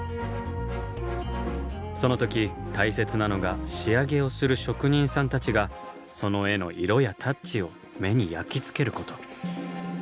その時大切なのが仕上げをする職人さんたちがその絵の色やタッチを目に焼きつけること。